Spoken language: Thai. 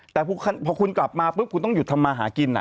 แต่พอคุณกลับมาปุ๊บคุณต้องหยุดทำมาหากิน